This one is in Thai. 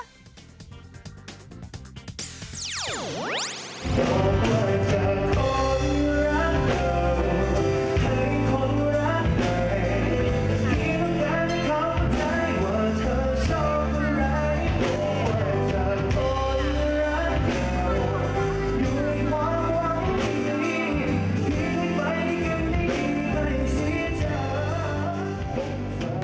อยู่ในความหวังที่จะมีที่ต้องไปกันได้ดีในชีวิตเธอ